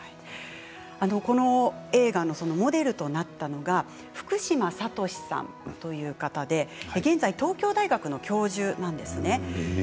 この映画のモデルとなったのが福島智さんという方で現在、東京大学の教授なんです。